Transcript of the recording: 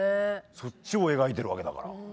そっちを描いてるわけだから。